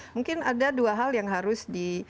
mungkin ada dua hal yang harus di